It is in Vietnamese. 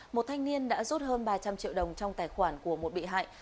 một thanh niên đã rút hơn ba trăm linh triệu đồng trong tài khoản của một bị hại